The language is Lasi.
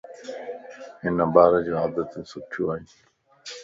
ھن ٻارَ جو عادتيون سٺيون ائين